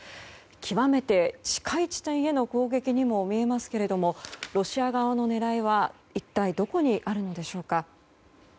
極めて近い地点への攻撃にも見えますけれどもロシア側の狙いは一体どこにあるのでしょうか。